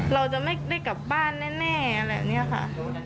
เราจะไม่ได้กลับบ้านแน่อะไรแบบนี้ค่ะ